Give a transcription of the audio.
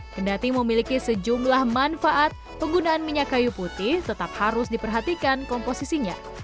kendati memiliki sejumlah manfaat penggunaan minyak kayu putih tetap harus diperhatikan komposisinya